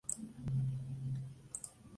Una tercera hipótesis, planteada por Ruta "et al.